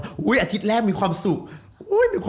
อาทิตย์แรกมีความสุข